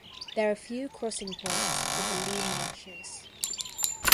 There are few crossing points for the Lea Marshes.